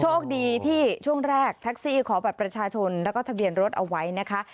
โชคดีที่ช่วงแรกแท็กซี่ขอบัตรประชาชนแล้วก็ทะเบียนรถเอาไว้นะคะ